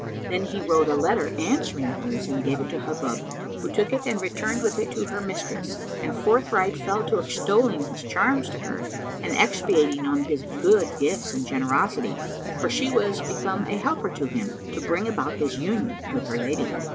Then he wrote a letter answering hers and gave it to Hubub, who took it and returned with it to her mistress and forthright fell to extolling his charms to her and expiating on his good gifts and generosity; for she was become a helper to him, to bring about his union with her lady.